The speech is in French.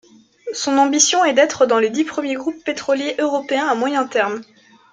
Son ambition est d'être dans les dix premiers groupes pétroliers européens à moyen terme.